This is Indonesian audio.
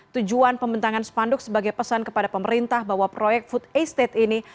tujuan pembentangan spanduk sebagai pesan kepada pemerintah bahwa proyek food estate ini